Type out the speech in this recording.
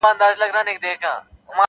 قاسم یار چي په ژړا کي په خندا سي,